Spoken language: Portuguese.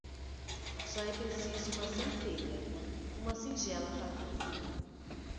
Só é preciso uma centelha, uma singela fagulha